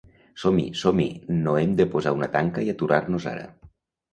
Som-hi, som-hi, no hem de posar una tanca i aturar-nos ara.